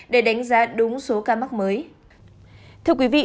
để đánh giá đúng số cam mắc mới